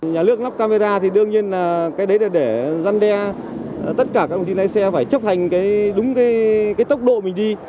nhà nước lắp camera thì đương nhiên là cái đấy là để răn đe tất cả các công ty này xe phải chấp hành đúng cái tốc độ mình đi